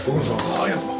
ああありがとう。